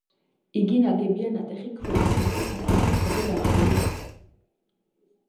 იგი ნაგებია ნატეხი ქვით, მისი ფასადის ქვები გათლილია.